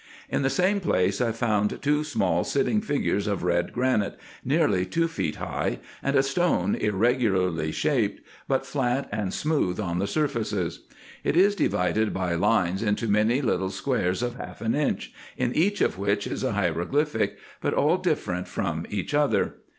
In the same place I found two small sitting figures of red granite, nearly two feet high, and a stone irregularly shaped, but flat and smooth on the surfaces. It is divided by lines into many little squares of half an inch, in each of which is a hieroglyphic, but all different from each other.